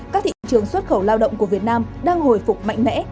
các thị trường xuất khẩu lao động của việt nam đang hồi phục mạnh mẽ